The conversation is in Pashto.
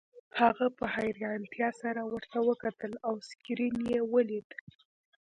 هغه په حیرانتیا سره ورته وکتل او سکرین یې ولید